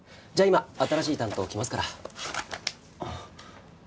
じゃあ今新しい担当来ますから。